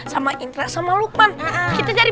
sama intra sama lukman kita jaring